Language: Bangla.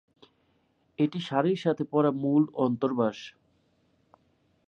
এটি শাড়ির সাথে পরা মূল অন্তর্বাস।